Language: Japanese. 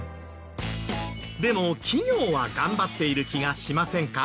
でも企業は頑張っている気がしませんか？